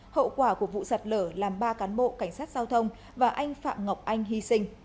hậu quả của vụ sạt lở làm ba cán bộ cảnh sát giao thông và anh phạm ngọc anh hy sinh